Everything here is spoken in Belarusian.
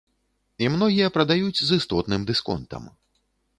І многія прадаюць з істотным дысконтам.